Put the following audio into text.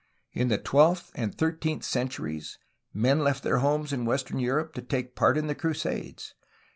In the twelfth and thirteenth centuries men left their homes in western Europe to take part in the Cru sades.